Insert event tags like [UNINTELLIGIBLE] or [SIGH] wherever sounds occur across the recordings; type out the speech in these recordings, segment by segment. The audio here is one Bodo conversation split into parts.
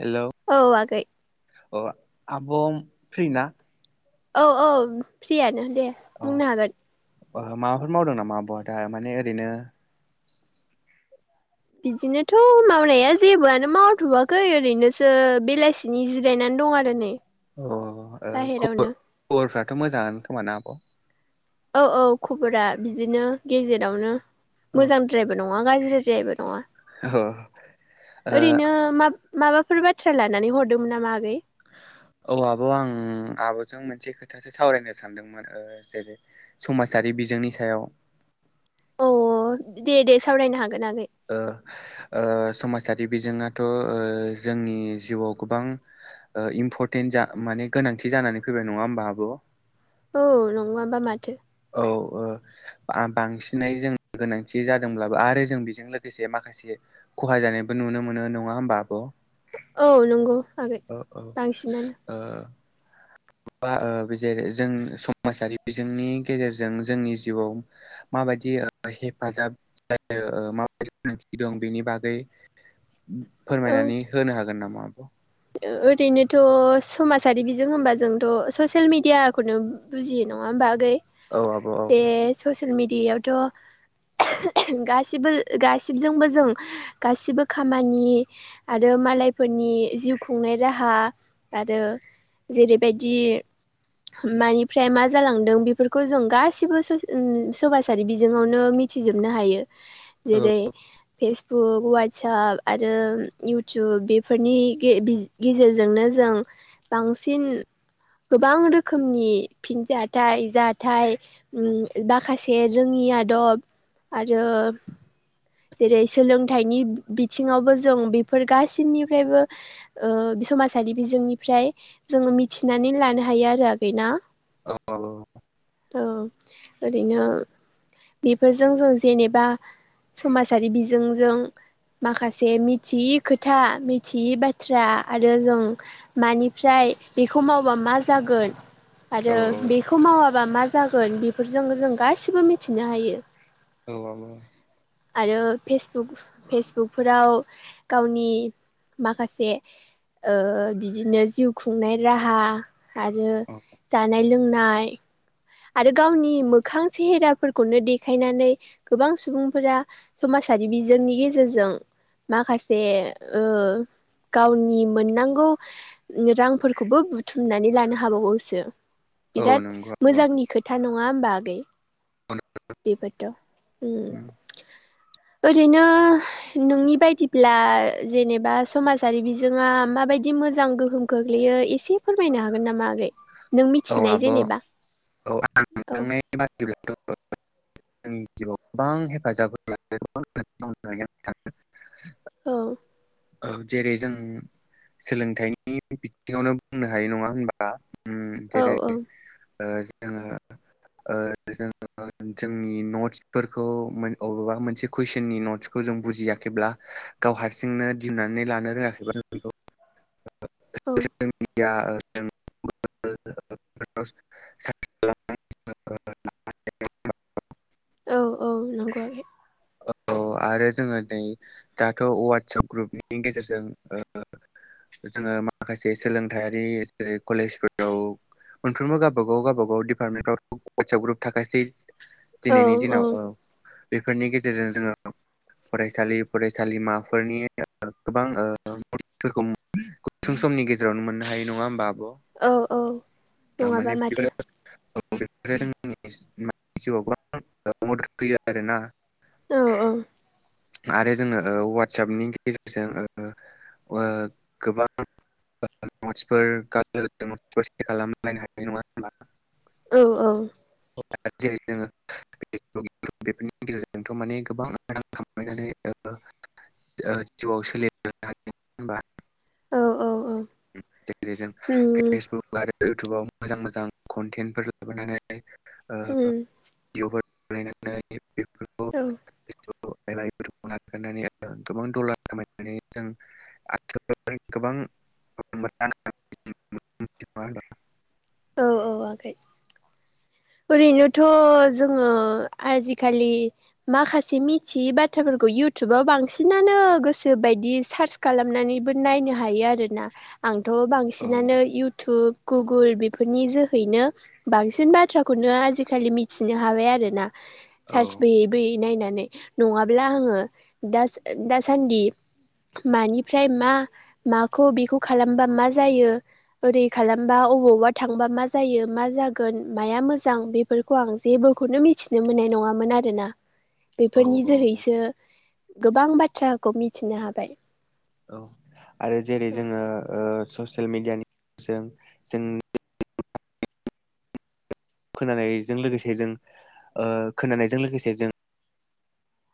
हेल' औ आगै अ आबं फ्रिना औ औ फ्रियानो दे बुंनो हागोन ओह माबाफोर मावदों नामा आब'आ दा माने ओरैनो बिदिनोथ' मावनाया जेबोआनो मावथआखै ओरैनोसो बेलासिनि जिरायनानै दं आरो नै अ ओ बाहेरावनो खबर-खबरफ्राथ' मोजाङानो खोमाना आब'? औ औ खबरा बिदिनो गेजेरावनो मोजांद्रायबो नङा नङा [UNINTELLIGIBLE] नङा अ ओ ओरैनो मा माबाफोर बाथ्रा लानानै हरदोंमोन नामा आगै? [UNINTELLIGIBLE] औ आब' आं आब'जों मोनसे खोथासो सावरायनो सानदोंमोन ओ जेरै समाजारि बिजोंनि सायाव अ अ दे दे सावरायनो हा ओ ओ समाजा बे बिजोङाथ' ओ जोंनि जिउआव गोबां ओ इम्फरटेन जा माने गोनांथि जानानै फैबाय नङा होमब आब' औ नङाबा माथो अ ओ आ बांसिनै जों गोनांथि जादोंब्लाबो आरो जों बेजों लोगोसे माखासे खहा जानायबो नुनो मोनो नङा होमबा आब' औ नंगौ आगै औ बांसिनानो ओ बा ओ बेजेरै जों समाजारि बिजोंनि गेजेरजों जोंनि जिउआव माबायदि हेफाजाब जायो माबायदि गोनांथि दं बेनि बागै औ फोरमायनानै होनो हागोन नामा आब' ओरैनोथ' समाजारि बिजों होमबा जोंथ' ससियेल मिडियाखौनो बुजियो नङा होमबा आगै? औ आब' औ बे ससियेल मिडियायावथ' गासिबो गासिजोंबो जों गासिबो खामानि आरो मालायफोरनि जिउ खुंनाय राहा आरो जेरैबायदि मानिफ्राय मा जालांदों बेफोरखौ जों गासिबो ससे समाजारि बिजोङावनो मिथि मिथिजोबनो हायो औ जेरै फेसबुक ववाट्साप आरो इउटुब बेफोरनि गे बि गेजेरजोंनो जों बांसिन गोबां रोखोमनि फिनजाथाइ जाथाइ उम माखासे जोंनि नि आदब आरो जेरै सोलोंथाइनि बिथिङावबो जों बेफोर गासिनिफ्रायबो ओ समाजारि बिजोंनिफ्राय जोङो मिथिनानै लानो हायो आरो आगैना? औ आब'। ओरैनो बेफोरजों जों जेनेबा समाजारि बिजोंजों माखासे मिथियि खोथा मिथियि बाथ्रा आरो जों मानिफ्राय बेखौ मावबा मा जागोन आरो औ बेखौ मावाबा मा जागोन बेफोरजों जों गासिबो मिथिनो हायो। औ आब'। आरो फेसबुक फेसबुकफोराव गावनि माखासे ओ बिदिनो जिउ खुंनाय राहा आरो औ जानाय लोंनाय आरो गावनि मोखां सेहेराफोरखौनो देखायनानै गोबां सुबुंफोरा समाज सारि बिजोंनि गेजेरजों माखासे ओ गावनि मोननांगौ रांफोरखौबो बुथुमनानै लानो हाबावोसो। औ बिराद नंगौ। आब' मोजांनि खोथा नङा होमबा आगै बेबोथ' होम। उम ओरैनो नोंनि बायदिब्ला जेनेबा समाजारि बिजोङा मा? माबायदि मोजां गोहोम खोख्लैयो एसे फोरमायनो हागोन नामा आगै नों औ मिथिनाय आब' जेनेबा? औ आं औ [UNINTELLIGIBLE] ब्लाथ' जोंनि जिउआव गोबां हेफाजाब [UNINTELLIGIBLE] औ। औ जेरै जों सोलोंथाइनि बिथिङावनो बुंनो हायो नङा होनबा? ओम औ जेरै औ ओ जोङो ओ जों जोंनि नट्सफोरखौ अबेबा मोनसे कुइसननि नटसखौ जों बुजियाखैब्ला गाव हारसिंनो दिहुन्नानै लानो रोङाखैबा जों बेखौ औ [UNINTELLIGIBLE] [UNINTELLIGIBLE] औ औ नंगौ आगै। औ आरो जोङो नै दाथ' ववाटसाप ग्रुपनि गेजेरजों ओ जोङो माखासे सोलोंथायारि जेरै कलेजफोराव मोनफ्रोमबो गाबागाव गाबागाव दिपार्टमेन्टफ्राव ववाटसाप ग्रुप थाखासै। दिनैनि दिनाव औ बेफोरनि गेजेरजों जोङो फरायसालि फरायसालिमाफोरनि गोबां ओ मदफोरखौ गुसुं समनि गेजेरावनो मोननो हायो नङा होमबा औ औ आब' नङाबा माने माथो बेफोरो औ [UNINTELLIGIBLE] जिउआव गोबां मदद होयो आरोना। औ औ। आरो जोङो ओ वाटसापनि गेजेरजों ओ ओ गोबां नटसफोर [UNINTELLIGIBLE] सेर खालामलायनो हानाय नङा होनबा? औ- औ। जेरै जोङो [UNINTELLIGIBLE] बेफोरनि गेजेरजोंथ' माने गोबां। खांनानै ओ जिउआव सोलि हागोन होनबा। औ औ टेलिभिजन उम फेसबुक आरो। इउटुबाव मोजां मोजां कन्टेन्टफोर लाबोनानै ओ उम भिडिअफोर। [UNINTELLIGIBLE] [UNINTELLIGIBLE] औ। [UNINTELLIGIBLE] [UNINTELLIGIBLE] नागारनानै गोबां दलार खामायनानै जों। [UNINTELLIGIBLE] गोबां [UNINTELLIGIBLE] ओ-ओ आगै। [UNINTELLIGIBLE] [UNINTELLIGIBLE] ओरैनोथ' जोङो आजिखालि माखासे मिथियै बाथ्राफोरखौ। इउटुबाव बांसिनानो गोसो बायदि सार्च खालामनानैबो नायनो हायो। आरोना आंथ' बांसिनानो इउटुब गुगोल बे। फोरनि जोहैनो बांसिन बाथ्राखौनो आजिखालि मिथिनो हाबाय आरो ना। औ सार्ज बोयै बोयै नायना। नङाब्ला आङो दा दासान्दि। मानिफ्राय मा माखौ बेखौ खालामबा मा जायो ओरै खालामबा अबावबा। थांबा मा जायो मा जागोन माया मोजां बेफोरखौ आं जेबोखौनो मिथिनो मोननाय नङामोन आं। आरोना औ बेफोरनि औ औ जोहैसो गोबां बाथ्राखौ मिथिनो हाबाय। औ आरो जेरै जोङो ओ ससे। मिडियानि जों जोंनि। खोनानायजों लोगोसे जों ओ खोनानायजों लोगोसे जों।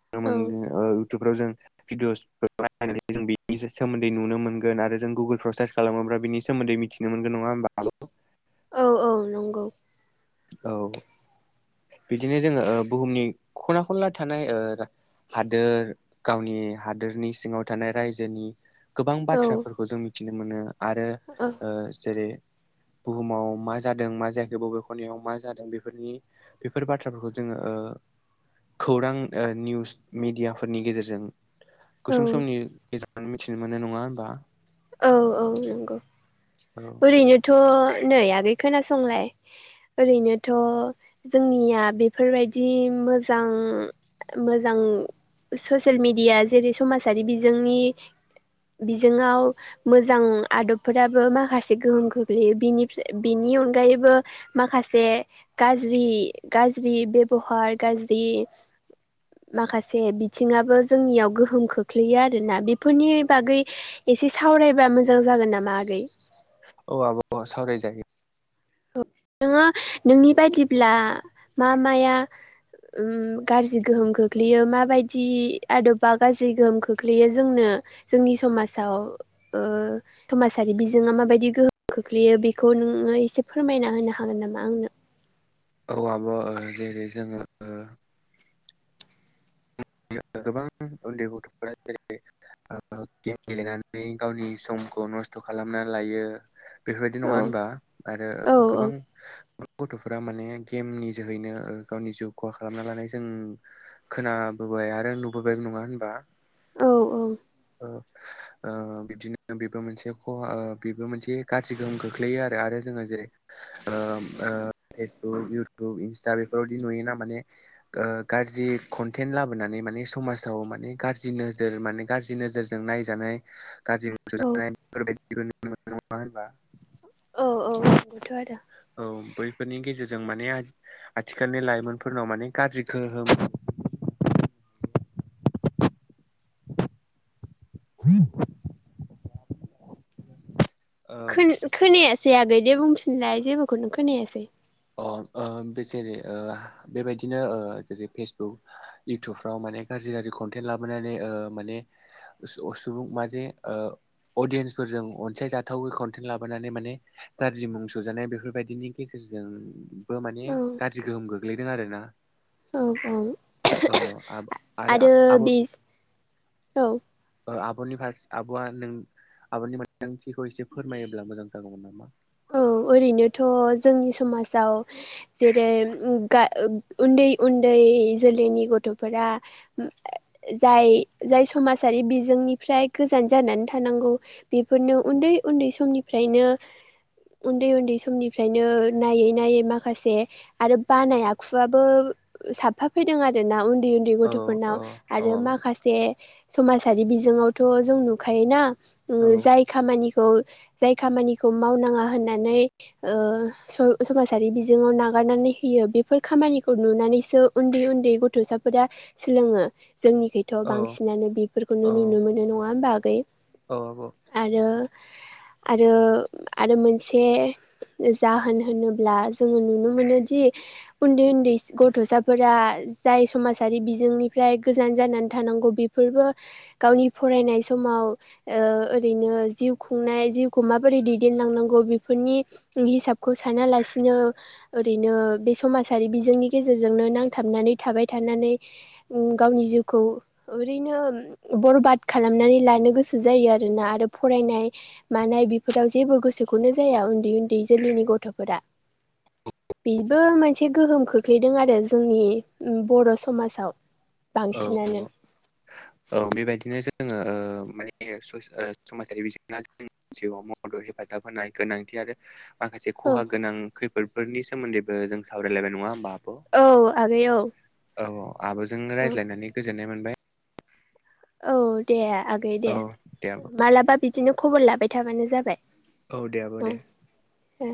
नुनो औ मोनगोन ओ इउटुबफ्राव जों। भिडअस बायनानै जों बिनि सोमोन्दै नुनो मोनगोन आरो जों गुगोलफ्राव सार्च खालामोब्ला बिनि सोमो। दै मिथिनो मोनगोन नङाहोमबाा आब'। औ -औ नंगौ। औ बिदिनो जोङो ओ बुहुमनि खना खनला थानाय ओ। हादोर गावनि हादोरनि सिङाव थानाय रायजोनि। गोबां औ बाथ्राफोरखौ जों मिथिनो मोनो आरो औ ओ जेरै। बुहुमाव मा जादों मा जायाखै बबे। खनाय मा जादों बेफोरनि बेफोर बाथ्राफोरखौ जोङो ओ। खौरां ओ निउस मिडियाफोरनि गेजेरजों। गुसुं समनि गेजेराव मिथिनो मोननाय नङा होमबा। औ- औ नंगौ ओरैनोथ' नै आगै खोनासंलाय। ओरैनोथ' जोंनिया बेफोरबायदि मोजां। मोजां ससियेल मेडिया जेरै समाजारि बिजोंनि। बिजोंआव मोजां आदबफोराबो माखासे गोहोम खख्लैयो बिनिफ्राय बिनि अनगायैबो माखासे गाज्रि गाज्रि बेबहार गाज्रि माखासे बिथिङाबो जोंनियाव गोहोम खोख्लैयो आरो ना बेफोरनि बागै एसे सावरायबा मोजां जागोन नामा आगै औ आब सावराय जायो नोङो नोंनि बायदिब्ला मा माया उम गाज्रि गोहोम खोख्लैयो माबायदि आदबा गाज्रि गोहोम खोख्लैयो जोंनो जोंनि समाजाव ओ समाजारि बिजोङा माबायदि गोहोम खोख्लैयो बेखौ नोङो एसे फोरमायना होनो हागोन नामा आंनो औ आब जेरै जोङो ओ गोबां उन्दै गथफोरा जेरै गेम गेलेनानै गावनि सम खौ नस्थ खालामना लायो बेफोरबायदि औ नङा होनबा आरो औ गोबां गथफोरा माने गेमनि जोहैनो गावनि जिउ खहा खालामना लानाय जों खोना बोबाय आरो नुबोबाय नङा होनबा! [UNINTELLIGIBLE] ओ बिदिनो बेबो मोनसे खहा ओ बेबो मोनसे गाज्रि गोहोम खोख्लैयो आरो जोङो जेरै ओ ओ फेसबुक इउटुब इन्स्टा बेफोरबायदि नुयोना माने ओ गारजि खन थेन लाबोनानै माने समाजाव माने गारजि नोजोर माने गारजि नोजोरजों नायजानाय गार्जि औ [UNINTELLIGIBLE] नङा होनबा! औ औ नंगौथ' आरो औ बै फोरनि गेजेरजों माने आथिखालनि लाइमोनफोरनाव माने गाज्रि गोहोम [UNINTELLIGIBLE] खोन खोनायासै आगै दे बुंफिनलाय जेबोखौनो खोनायासै अ ओ बे जेरै ओ बेबायदिनो ओ जेरै फेसबुक इयउटुबफ्राव माने गा गाज्रि गाज्रि कनथेन्ट लाबोनानै ओ माने सुबुं मा जे ओ अदियेन्सफोरजों अनसायजाथावै कनटेन्ट लाबोनानै माने गारजि मुं सुजानाय बेफोरबायदिनि गेजेरजों जोंबो माने औ गाज्रि गोहोम गोग्लैदों आरो ना। औ औ अ आब' आरो बिस औ आबनि फारसे आबआ नों आबनि मोनदांथिखौ एसे फोरमायोब्ला मोजां जागौमोन नामा! [INAUDIBLE] औ ओरैनोथ जोंनि समाजाव जेरै उम गा उन्दै उन्दै जोलैनि गथफोरा जाय जाय समाजारि बिजोंनिफ्राय गोजान जानानै थानांगौ बेफोरनो उन्दै उन्दै समनिफ्रायनो उन्दै उन्दै समनिफ्रायनो नायै नायै माखासे आरो बानाय आखुआबो साबफा फैदों आरो ना उन्दै उन्दै औ गथफोरनाव औ औ आरो माखासे समाजारि बिजोङावथ' जों नुखायोना उम औ जाय खामानि खौ जाय खामानिखौ मावनाङा होननानै ओ स-समाजारि बिजोङाव नागारनानै होयो बेफोर खामानिखौ नुना नैसो उन्दै उन्दै गथसाफोरा सोलोङो जोंनिखैथ' औ बांसिनानो औ बेफोरखौनो नुनो मोनो नङा होमबा आगै औ आब' आरो आरो आरो मोनसे से जाहोन होनोब्ला जोङो नुनो मोनोदि उन्दै उन्दै गथ' साफोरा जाय समाजारि बिजोंनिफ्राय गोजान जानानै थानांगौ बेफोरबो गावनि फरायनाय समाव ओ ओरैनो जिउ खुंनाय जिउखौ माबोरै दैदेनलांनांगौ फोरनि हिसाबखौ सानालासिनो ओरैनो बे समाजारि बिजोंनि गेजेरजोंनो नांथाबनानै थाबाय थानानै गावनि जिउखौ ओरैनो बरबाद खालामनानै लानो गोसो जायो आरोना आरो फरायनाय मानाय बेफोराव जेबो गोसोखौनो जाया उन्दै उन्दै जोलैनि गथ'फोरा। बेबो मोनसे गोहोम खोख्लैदों आरो जोंनि बर' समाजाव। औ बांसिनानो औ बेबायदिनो जोङो ओ माने समाजारि बिजोंआ जोंनि जिउआव मदद हेफाजाब होनाय गोनांथि आरो माखासे औ ख'हा गोनां खैफोदफोरनि सोमोन्दैबो जों सावरायलायबाय नङा होमबा! आब' औ आगै औ। औ औ आब'जोंनो रायज्लायनानै गोजोननाय मोनबाय। औ दे आगै औ दे दे आब' मालाबा बिदिनो खबर लाबाय थाबानो जाबाय। औ दे आब' दे। ए